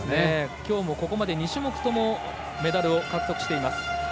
きょうもここまで２種目ともメダルを獲得しています。